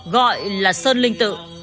gọi là sơn linh tự